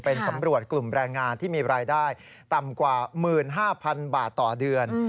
เป็นสำรวจกลุ่มแรงงานที่มีรายได้ต่ำกว่า๑๕๐๐๐บาทต่อเดือน